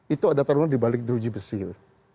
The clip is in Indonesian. itu ada tarunan di balik druji besil